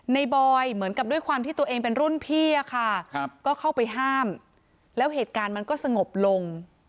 บอยเหมือนกับด้วยความที่ตัวเองเป็นรุ่นพี่อะค่ะก็เข้าไปห้ามแล้วเหตุการณ์มันก็สงบลง